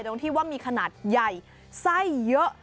ตรงที่ว่ามีขนาดใหญ่ไส้เยอะ